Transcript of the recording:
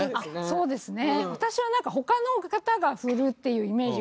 そうですね。